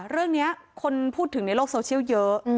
เรื่องนี้คนพูดถึงในโลกโซเชียลเยอะ